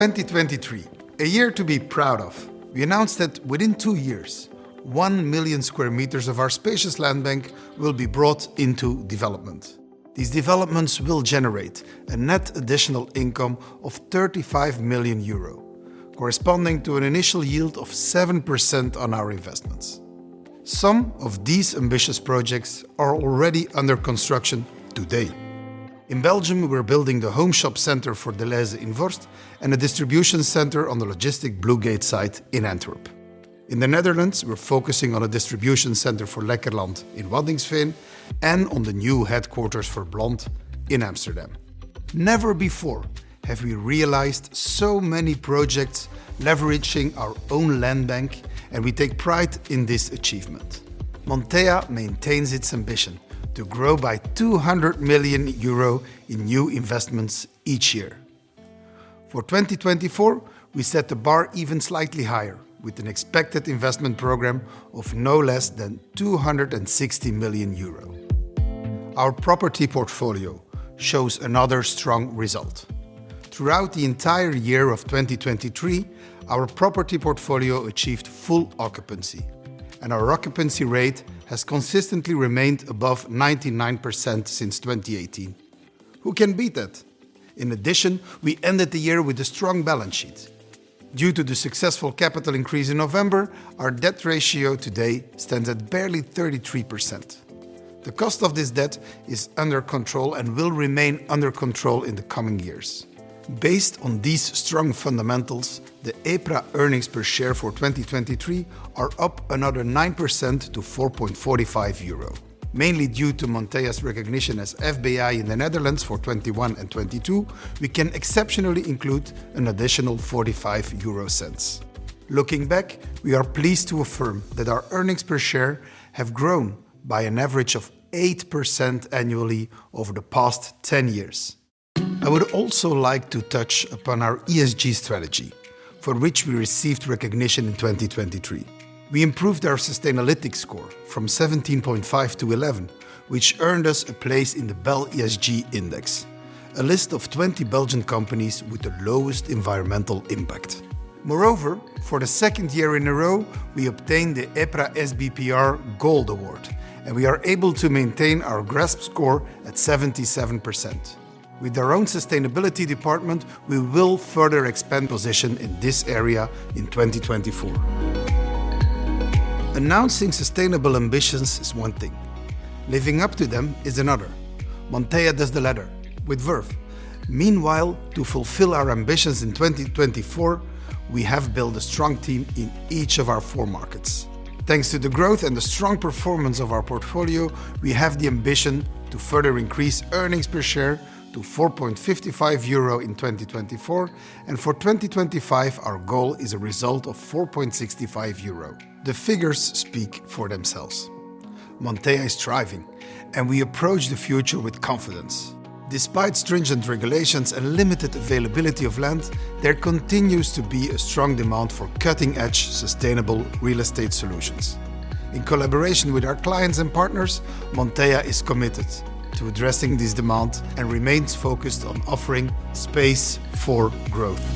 2023, a year to be proud of. We announced that within two years, 1 million square meters of our spacious land bank will be brought into development. These developments will generate a net additional income of 35 million euro, corresponding to an initial yield of 7% on our investments. Some of these ambitious projects are already under construction today. In Belgium, we're building the home shop center for Delhaize in Vorst, and a distribution center on the logistics Blue Gate site in Antwerp. In the Netherlands, we're focusing on a distribution center for Lekkerland in Waddinxveen, and on the new headquarters for Blokker in Amsterdam. Never before have we realized so many projects leveraging our own land bank, and we take pride in this achievement. Montea maintains its ambition to grow by 200 million euro in new investments each year. For 2024, we set the bar even slightly higher, with an expected investment program of no less than 260 million euro. Our property portfolio shows another strong result. Throughout the entire year of 2023, our property portfolio achieved full occupancy, and our occupancy rate has consistently remained above 99% since 2018. Who can beat that? In addition, we ended the year with a strong balance sheet. Due to the successful capital increase in November, our debt ratio today stands at barely 33%. The cost of this debt is under control and will remain under control in the coming years. Based on these strong fundamentals, the EPRA earnings per share for 2023 are up another 9% to 4.45 euro. Mainly due to Montea's recognition as FBI in the Netherlands for 2021 and 2022, we can exceptionally include an additional 0.45. Looking back, we are pleased to affirm that our earnings per share have grown by an average of 8% annually over the past 10 years. I would also like to touch upon our ESG strategy, for which we received recognition in 2023. We improved our Sustainalytics score from 17.5 to 11, which earned us a place in the BEL ESG index, a list of 20 Belgian companies with the lowest environmental impact. Moreover, for the second year in a row, we obtained the EPRA sBPR Gold Award, and we are able to maintain our GRESB score at 77%. With our own sustainability department, we will further expand position in this area in 2024. Announcing sustainable ambitions is one thing. Living up to them is another. Montea does the latter, with verve. Meanwhile, to fulfill our ambitions in 2024, we have built a strong team in each of our four markets. Thanks to the growth and the strong performance of our portfolio, we have the ambition to further increase earnings per share to 4.55 euro in 2024, and for 2025, our goal is a result of 4.65 euro. The figures speak for themselves. Montea is thriving, and we approach the future with confidence. Despite stringent regulations and limited availability of land, there continues to be a strong demand for cutting-edge, sustainable real estate solutions. In collaboration with our clients and partners, Montea is committed to addressing this demand and remains focused on offering space for growth.